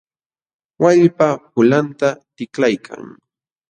Wallpa pulanta tiklaykan.